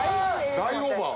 大オーバー。